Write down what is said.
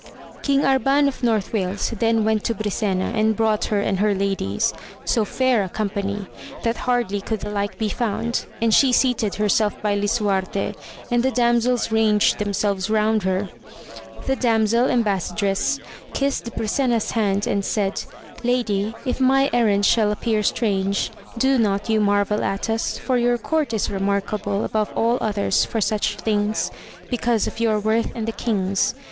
King Arban of North Wales then went to Brisena, and brought her and her ladies, so fair a company, that hardly could the like be found, and she seated herself by Lisuarte, and the damsels ranged themselves around her. The damsel embas sadress kissed Brisena's hand and said. Lady, if my errand shall appear strange, do not you marvel at us, for your court is remarkable above all others for such things, because of your worth and the king's.